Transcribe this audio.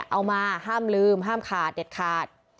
เอามาห้ามลืมห้ามขาดเด็ดขาด